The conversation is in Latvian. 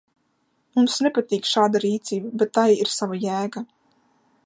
Mums nepatīk šāda rīcība, bet tai ir sava jēga.